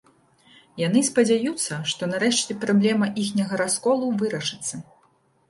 Яны спадзяюцца, што нарэшце праблема іхняга расколу вырашыцца.